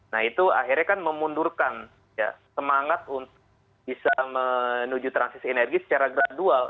nah itu akhirnya kan memundurkan semangat untuk bisa menuju transisi energi secara gradual